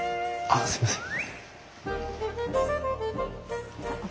あっすいません。